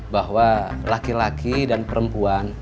bahwa laki laki dan perempuan